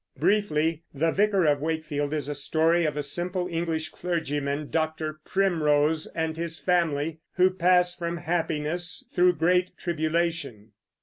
Briefly, The Vicar of Wakefield is the story of a simple English clergyman, Dr. Primrose, and his family, who pass from happiness through great tribulation.